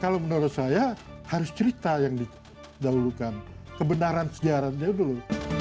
kalau menurut saya harus cerita yang didahulukan kebenaran sejarahnya dulu